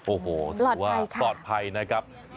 โอ้โหถือว่าปลอดภัยนะครับปลอดภัยค่ะ